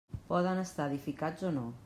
Poden estar edificats o no.